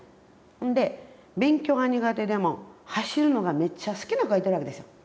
ほんで勉強が苦手でも走るのがめっちゃ好きな子がいてるわけですやん。